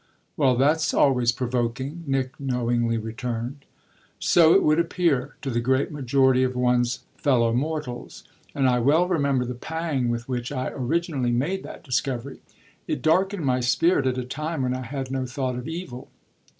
"Well, that's always provoking!" Nick knowingly returned. "So it would appear, to the great majority of one's fellow mortals; and I well remember the pang with which I originally made that discovery. It darkened my spirit at a time when I had no thought of evil.